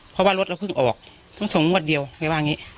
เพราะว่ารถเราเพิ่งออกต้องส่งงวดเดียวแกว่าอย่างนี้